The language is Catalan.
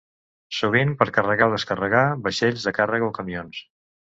Sovint per carregar o descarregar vaixells de càrrega o camions.